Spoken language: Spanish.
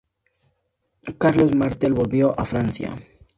Carlos Martel volvió a Francia.